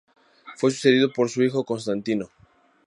Fue sucedido por su hijo Constantino.